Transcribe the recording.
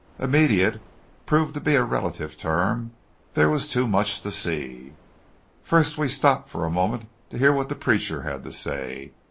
"Immediate" proved to be a relative term; there was too much to see. First we stopped for a moment to hear what the preacher had to say.